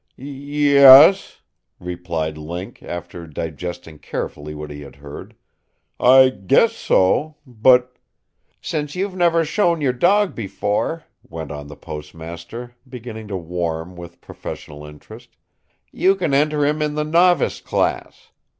"Ye es," replied Link, after digesting carefully what he had heard. "I guess so. But " "Since you've never shown your dog before," went on the postmaster, beginning to warm with professional interest, "you can enter him in the 'Novice Class.'